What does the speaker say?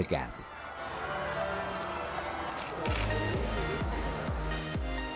dianggap sederhana namun elegan